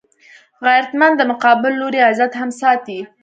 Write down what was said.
غیرتمند د مقابل لوري عزت هم ساتي